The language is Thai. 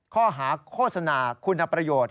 ข้อหาโฆษณาคุณประโยชน์